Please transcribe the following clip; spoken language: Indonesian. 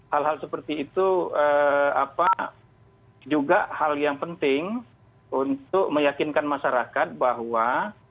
hal hal seperti itu juga hal yang penting untuk meyakinkan masyarakat bahwa